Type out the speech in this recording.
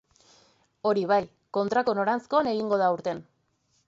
Hori bai, kontrako noranzkoan egingo da aurten.